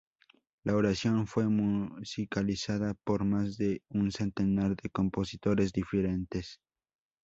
La oración fue musicalizada por más de un centenar de compositores diferentes.